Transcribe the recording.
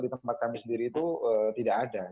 di tempat kami sendiri itu tidak ada